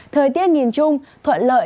thời tiết nhìn chung thuận lợi